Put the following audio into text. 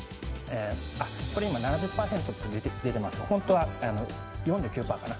７０％って出ていますが本当は４９％かな？